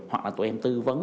hoặc là tụi em tư vấn